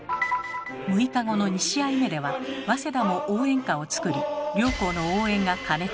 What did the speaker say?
６日後の２試合目では早稲田も応援歌を作り両校の応援が過熱。